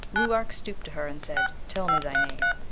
Ruark stooped to her and said, 'Tell me thy name.'